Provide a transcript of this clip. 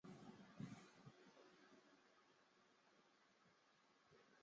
他们的任务是进球和为柱趸制造机会。